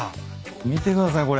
見てくださいこれ。